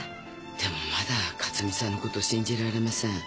でもまだ克巳さんのこと信じられません。